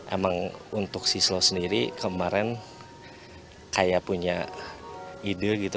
emang untuk siswa sendiri kemarin kayak punya ide gitu